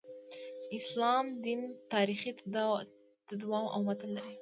اسلام دین تاریخي تداوم او متون لري.